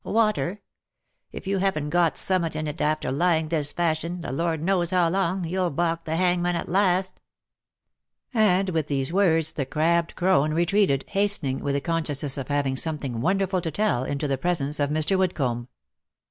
Water ?— if you haven't got summut in it after lying this fashion, the Lord knows how long, you'll balk the hangman at last !" And with these words the crabbed crone retreated, hastening, with the consciousness of having something wonderful to tell, into the presence of Mr. Woodcomb.